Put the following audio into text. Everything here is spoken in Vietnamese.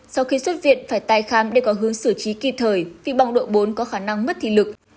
sau khi xuất viện phải tay khám để có hướng sử trí kịp thời vì bỏng độ bốn có khả năng mất thị lực